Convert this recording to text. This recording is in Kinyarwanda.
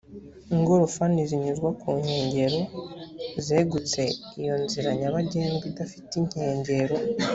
ingorofani zinyuzwa ku nkengero zegutse iyo inzira nyabagendwa idafite inkengero